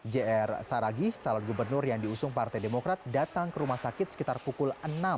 jr saragih salah gubernur yang diusung partai demokrat datang ke rumah sakit sekitar pukul enam